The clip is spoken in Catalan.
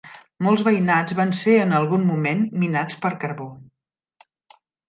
Molts veïnats van ser en algun moment minats per carbó.